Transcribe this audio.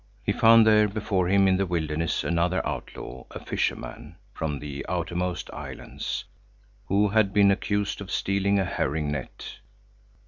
He found there before him in the wilderness another outlaw, a fisherman from the outermost islands, who had been accused of stealing a herring net.